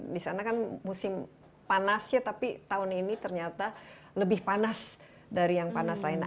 di sana kan musim panasnya tapi tahun ini ternyata lebih panas dari yang panas lain